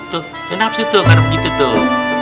itu nafsu tuh kalau begitu tuh